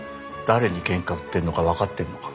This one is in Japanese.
誰にケンカ売ってるのか分かってんのか。